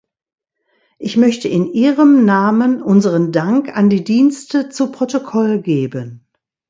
Ich möchte in Ihrem Namen unseren Dank an die Dienste zu Protokoll geben.